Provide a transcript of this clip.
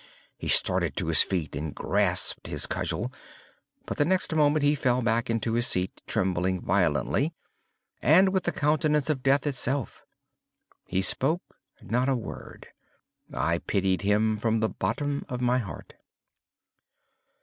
He started to his feet and grasped his cudgel, but the next moment he fell back into his seat, trembling violently, and with the countenance of death itself. He spoke not a word. I pitied him from the bottom of my heart.